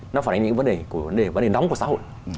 nó phản ánh những vấn đề nóng của xã hội